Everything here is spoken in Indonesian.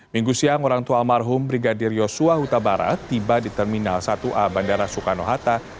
minggu siang orang tua almarhum brigadir yosua huta barat tiba di terminal satu a bandara soekarno hatta